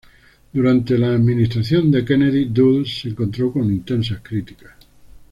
Durante la administración de Kennedy, Dulles se encontró con intensas críticas.